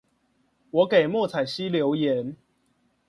我給莫彩曦留言